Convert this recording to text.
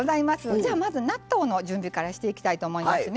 じゃあまず納豆の準備からしていきたいと思いますね。